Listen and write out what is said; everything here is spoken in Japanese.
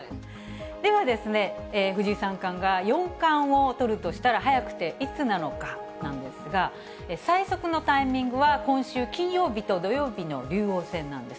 ではですね、藤井三冠が四冠をとるとしたら、早くていつなのかなんですが、最速のタイミングは、今週金曜日と土曜日の竜王戦なんです。